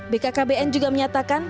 bkkbn juga menyatakan